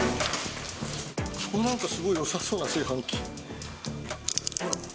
なんかすごいよさそうな炊飯器。